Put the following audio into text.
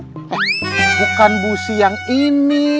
eh bukan busi yang ini